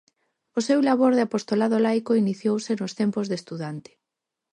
O seu labor de apostolado laico iniciouse nos tempos de estudante.